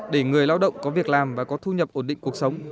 để người lao động có việc làm và có thu nhập ổn định cuộc sống